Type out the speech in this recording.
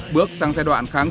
bước sang giai đoạn kháng trị